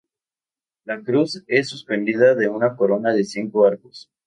La cruz es suspendida de una corona de cinco arcos.